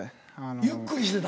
ゆっくりしてた？